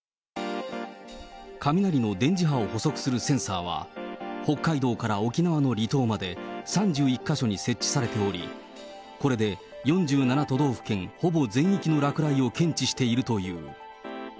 雷の電磁波を捕捉するセンサーは、北海道から沖縄の離島まで、３１か所に設置されており、これで４７都道府県ほぼ全域の落雷を検知しているという。